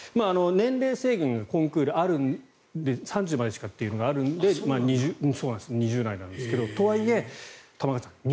年齢制限がコンクールはあるので３０歳までしかっていうのがあるので２０代なんですけどとはいえ、玉川さん